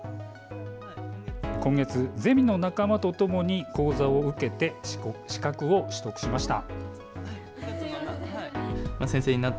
今月、ゼミの仲間とともに講座を受けて資格を取得しました。